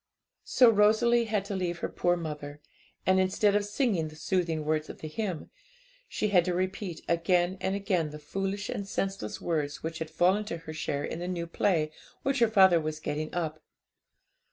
So Rosalie had to leave her poor mother; and instead of singing the soothing words of the hymn, she had to repeat again and again the foolish and senseless words which had fallen to her share in the new play which her father was getting up.